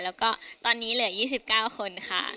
แล้วก็ตอนนี้เหลือ๒๙คนค่ะ